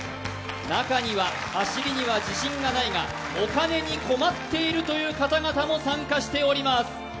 中には走りには自信がないが、お金に困っているという方々も参加しております。